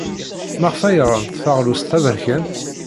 Maɣef ay rant taɣlust taberkant?